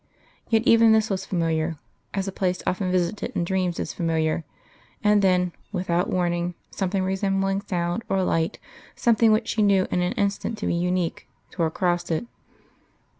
Yet even this was familiar, as a place often visited in dreams is familiar; and then, without warning, something resembling sound or light, something which she knew in an instant to be unique, tore across it....